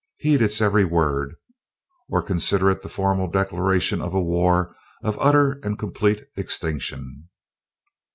Heed its every word, or consider it the formal declaration of a war of utter and complete extinction!"